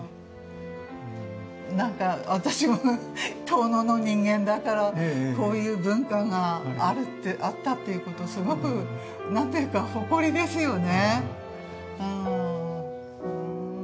何か私も遠野の人間だからこういう文化があったっていうことをすごく何て言うか誇りですよね。